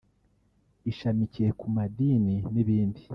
ishamikiye ku madini n’ibindi